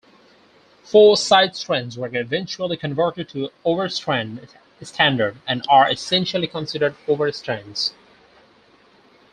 Four Sidestrands were eventually converted to Overstrand standard and are essentially considered Overstrands.